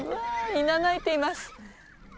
いなないています